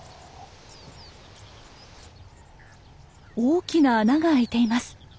大きな穴が開いています。